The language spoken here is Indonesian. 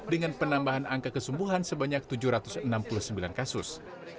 dengan penambahan angka kesembuhan sebanyak tujuh ratus enam puluh sembilan kasus